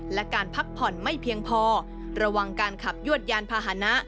และการพักผ่อนไม่เพียงพอระวังการขับยวดยานพาหนะ